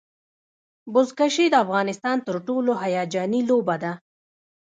بزکشي د افغانستان تر ټولو هیجاني لوبه ده.